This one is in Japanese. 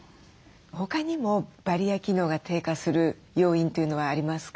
他にもバリア機能が低下する要因というのはありますか？